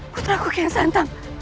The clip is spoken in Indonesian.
putraku kian santam